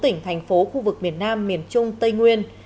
ba tỉnh thành phố khu vực miền nam miền trung tây nguyên